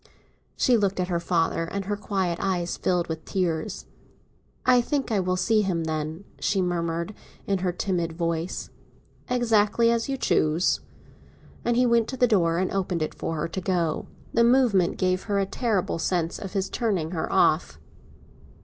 She looked at her father, and her quiet eyes filled with tears. "I think I will see him, then," she murmured, in her timid voice. "Exactly as you choose!" And he went to the door and opened it for her to go out. The movement gave her a terrible sense of his turning her off.